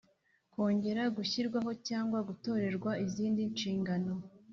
kongera gushyirwaho cyangwa gutorerwa izindi nshingano